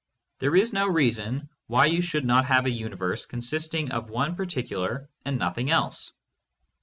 There is no reason why you should not have a uni verse consisting of one particular and nothing else.